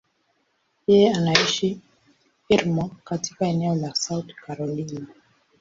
Yeye anaishi Irmo, katika eneo la South Carolina.